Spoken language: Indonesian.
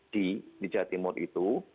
di jawa timur itu